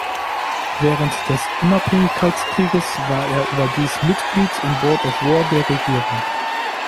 Während des Unabhängigkeitskrieges war er überdies Mitglied im "Board of War" der Regierung.